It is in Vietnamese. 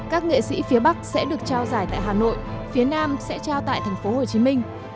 các nghệ sĩ phía bắc sẽ được trao giải tại hà nội phía nam sẽ trao tại tp hcm